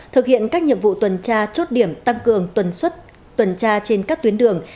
thực hiện các nhiệm vụ tuần tra chốt điểm tăng cường tuần xuất tuần tra trên các tuyến đường